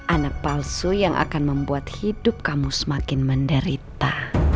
anak palsu yang akan membuat hidup kamu semakin menderita